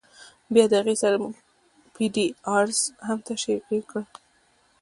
بیا د هغه سره مونږ پی ډی آریز هم تشریح کړل.